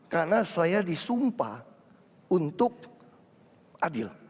karena saya disumpah untuk adil